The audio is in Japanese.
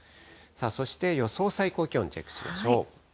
そして予想最高気温チェックしましょう。